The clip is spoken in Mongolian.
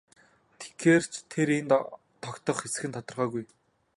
Тэгээд ч тэр энд тогтох эсэх нь тодорхойгүй.